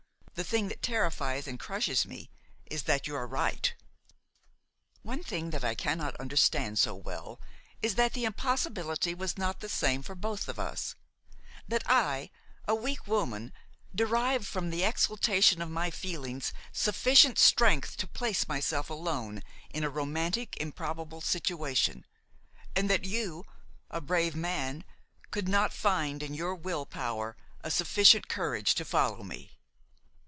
The thing that terrifies and crushes me is that you are right. "One thing that I cannot understand so well is that the impossibility was not the same for both of us; that I, a weak woman, derived from the exaltation of my feelings sufficient strength to place myself alone in a romantic, improbable situation, and that you, a brave man, could not find in your will power, sufficient courage to follow me.